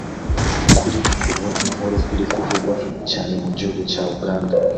Kuri ubu inkuru iri kuvugwa cyane mu gihugu cya Uganda